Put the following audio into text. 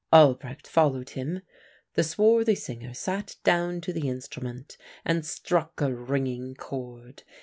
"Albrecht followed him. The swarthy singer sat down to the instrument and struck a ringing chord.